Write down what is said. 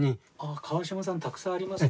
川島さんたくさんありますね。